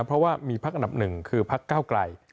เพราะว่ามีภักดิ์อันดับ๑คือภักดิ์เก้าไกร